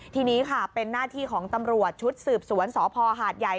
ทีนี้ค่ะเป็นหน้าที่ของตำรวจชุดสืบสวนสพหาดใหญ่